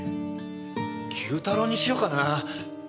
Ｑ太郎にしようかな。